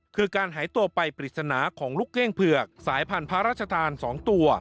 คือการหายตัวไปปริศนาของลูกเก้งเผือกสายพันธุ์พระราชทาน๒ตัว